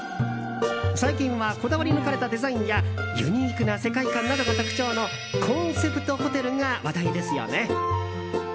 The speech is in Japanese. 最近はこだわり抜かれたデザインやユニークな世界観などが特徴のコンセプトホテルが話題ですよね。